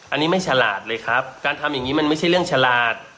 อันนี้ไม่ฉลาดเลยครับการทำอย่างนี้มันไม่ใช่เรื่องฉลาด